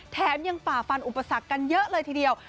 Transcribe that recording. แถมยังฝ่าฟันอุปสรรคกันเยอะเลยทีเดียว